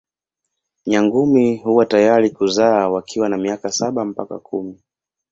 Nyangumi huwa tayari kuzaa wakiwa na miaka saba mpaka kumi.